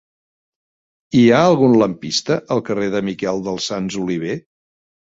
Hi ha algun lampista al carrer de Miquel dels Sants Oliver?